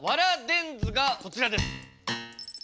電図がこちらです。